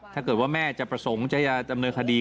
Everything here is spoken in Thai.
ถ้าเกิดว่าแม่จะประสงค์จะดำเนินคดี